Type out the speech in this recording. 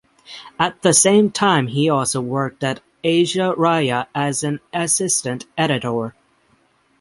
At the same time he also worked at "Asia Raya" as an assistant editor.